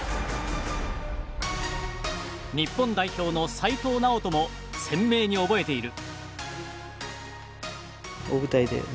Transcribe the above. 日本代表の齋藤直人も鮮明に覚えている。